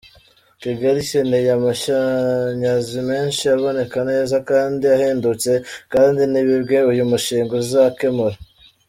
Kigali ikeneye amashanyazi menshi, aboneka neza kandi ahendutse kandi ni bimwe uyu mushinga uzakemura.”